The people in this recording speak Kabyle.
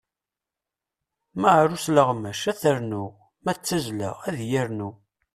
Ma ar usleɣmec, ad t-ternuɣ. Ma d tazzla, ad iyi-rnu.